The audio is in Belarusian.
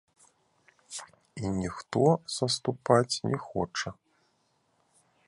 І ніхто саступаць не хоча.